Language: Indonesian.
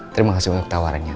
terima kasih untuk tawarannya